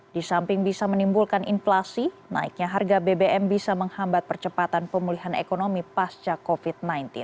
di samping bisa menimbulkan inflasi naiknya harga bbm bisa menghambat percepatan pemulihan ekonomi pasca covid sembilan belas